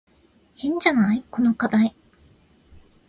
変じゃない？この課題。